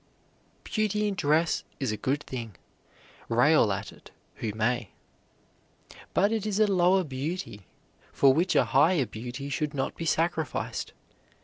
Beauty in dress is a good thing, rail at it who may. But it is a lower beauty, for which a higher beauty should not be sacrificed.